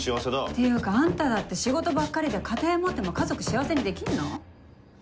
っていうかあんただって仕事ばっかりで家庭持っても家族幸せにできんの？